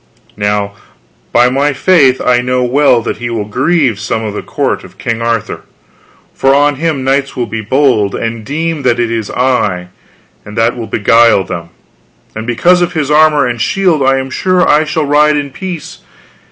Now by my faith I know well that he will grieve some of the court of King Arthur; for on him knights will be bold, and deem that it is I, and that will beguile them; and because of his armor and shield I am sure I shall ride in peace.